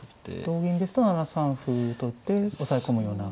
同銀ですと７三歩と打って押さえ込むような。